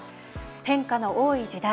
変化の多い時代。